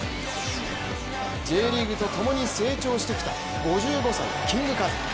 Ｊリーグとともに成長してきた５５歳・キングカズ。